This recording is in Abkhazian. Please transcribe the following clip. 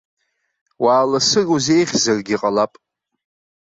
Уааласыр узеиӷьзаргьы ҟалап.